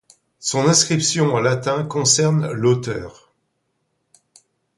Son inscription en latin concerne l'auteur.